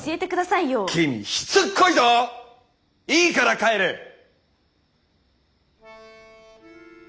いいから帰れッ！